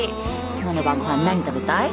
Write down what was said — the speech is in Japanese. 今日の晩ごはん何食べたい？